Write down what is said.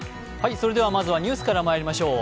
まずはニュースからまいりましょう。